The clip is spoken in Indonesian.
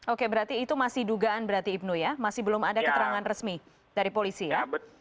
oke berarti itu masih dugaan berarti ibnu ya masih belum ada keterangan resmi dari polisi ya